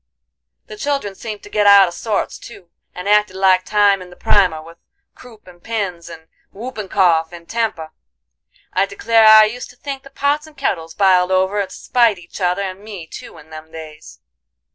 The children seemed to git out of sorts, too, and acted like time in the primer, with croup and pins, and whoopin' cough and temper. I declare I used to think the pots and kettles biled over to spite each other and me too in them days.